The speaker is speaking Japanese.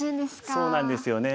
そうなんですよね。